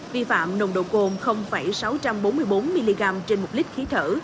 vi phạm nồng độ cồn sáu trăm bốn mươi bốn mg trên một lít khí thở